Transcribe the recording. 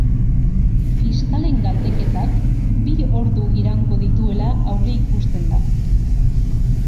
Fiskalen galdeketak bi ordu iraungo dituela aurreikusten da.